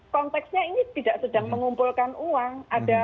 konteksnya ini tidak sedang mengumpulkan uang